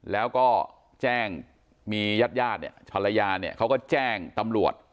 แล้วก็แจ้งมีญาติญาติภรรยาเขาก็แจ้งตำรวจ